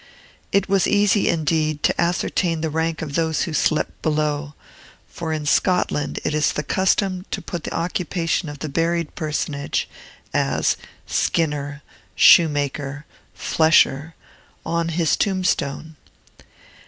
It was easy, indeed, to ascertain the rank of those who slept below; for in Scotland it is the custom to put the occupation of the buried personage (as "Skinner," "Shoemaker," "Flesher") on his tombstone.